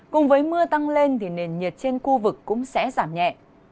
cùng với mưa tăng lên thì nền nhiệt trên khu vực cũng sẽ giảm nhẹ